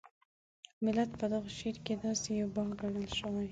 ملت په دغه شعر کې داسې یو باغ ګڼل شوی.